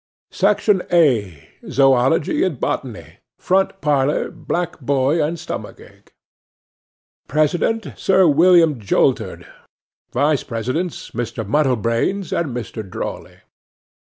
'SECTION A.—ZOOLOGY AND BOTANY. FRONT PARLOUR, BLACK BOY AND STOMACH ACHE. President—Sir William Joltered. Vice Presidents—Mr. Muddlebranes and Mr. Drawley.